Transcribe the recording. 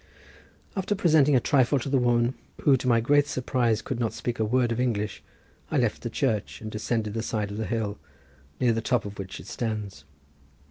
After presenting a trifle to the woman, who to my great surprise could not speak a word of English, I left the church, and descended the side of the hill, near the top of which it stands.